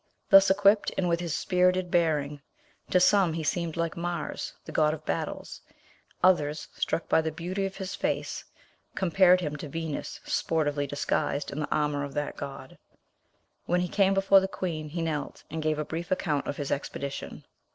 Thus equipped, and with his spirited bearing, to some he seemed like Mars the god of battles; others, struck by the beauty of his face, compared him to Venus sportively disguised in the armour of that god. When he came before the Queen he knelt, and gave a brief account of his expedition.